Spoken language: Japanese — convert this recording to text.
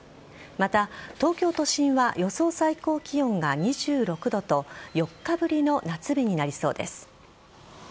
また、東京都心は予想最高気温が２６度と４日ぶりの夏日になりそうです。